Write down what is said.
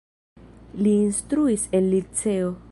Li instruis en liceo.